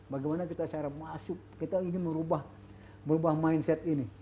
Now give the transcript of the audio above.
bagaimana kita cara masuk kita ingin merubah mindset ini